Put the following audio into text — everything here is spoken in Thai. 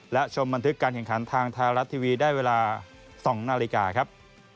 และชมบันทึกการแข่งขันทางไทยรัฐทีวีได้เวลา๒นาฬิกาครับ